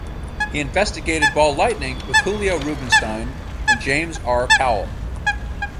He investigated ball lightning with Julio Rubinstein and James R. Powell.